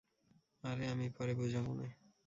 আরে, আমি পরে বুঝাবো নে।